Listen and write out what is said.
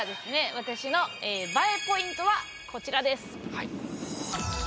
私のＢＡＥポイントはこちらです。